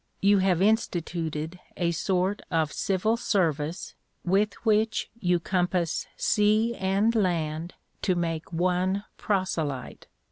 You have instituted a sort of 'civil service,' with which 'you compass sea and land to make one proselyte.'